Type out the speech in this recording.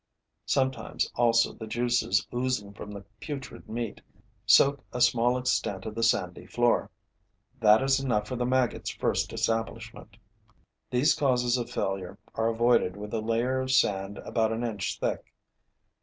Sometimes also the juices oozing from the putrid meat soak a small extent of the sandy floor. That is enough for the maggot's first establishment. These causes of failure are avoided with a layer of sand about an inch thick.